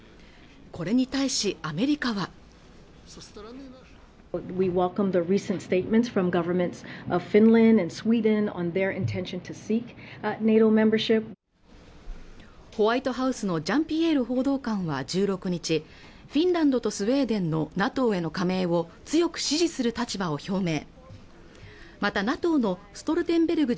これに対しアメリカはホワイトハウスのジャンピエール報道官は１６日フィンランドとスウェーデンのＮＡＴＯへの加盟を強く支持する立場を表明またＮＡＴＯのストルテンベルグ